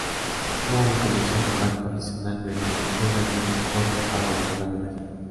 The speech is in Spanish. Moore comenzó a tocar profesionalmente luego de un corto paso por la universidad.